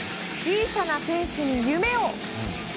小さな選手に夢を。